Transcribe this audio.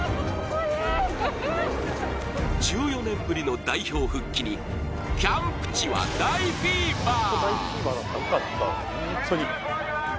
１４年ぶりの代表復帰にキャンプ地は大フィーバー。